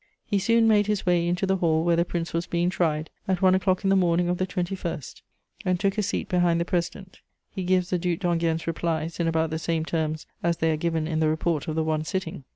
He soon made his way into the hall where the Prince was being tried, at one o'clock in the morning of the 21st, and took a seat behind the president. He gives the Duc d'Enghien's replies in about the same terms as they are given in the report of the one sitting.